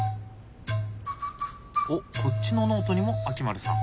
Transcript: おっこっちのノートにも秋丸さん。